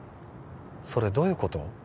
それどういうこと？